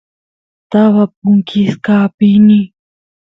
taba punkisqa apini